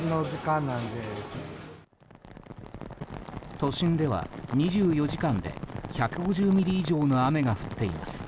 都心では２４時間で１５０ミリ以上の雨が降っています。